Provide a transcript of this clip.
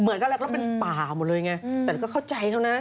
เหมือนกันแล้วก็เป็นปลาหมดเลยไงแต่ก็เข้าใจเท่านั้นนะ